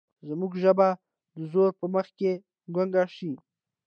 زموږ ژبه د زور په مخ کې ګونګه شي.